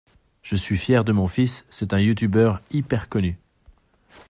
Je suis fier de mon fils, c'est un youtuber hyper connu.